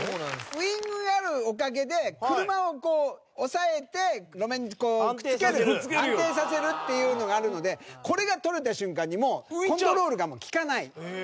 ウィングがあるおかげで車を押さえて、路面にくっつける安定させるというのがあるのでこれが取れた瞬間にコントロールがもう利かない。